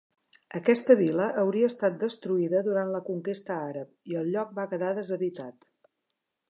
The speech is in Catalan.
Aquesta vila hauria estat destruïda durant la conquesta àrab i el lloc va quedar deshabitat.